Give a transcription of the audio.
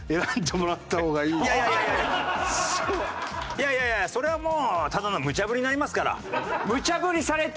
いやいやいやそれはもうただのむちゃ振りになりますから。